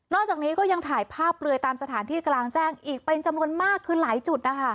จากนี้ก็ยังถ่ายภาพเปลือยตามสถานที่กลางแจ้งอีกเป็นจำนวนมากคือหลายจุดนะคะ